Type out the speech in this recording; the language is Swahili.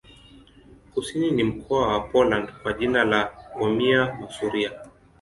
Kusini ni mkoa wa Poland kwa jina la Warmia-Masuria.